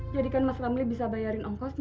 jadi kan mas ramli bisa bayarin ongkosnya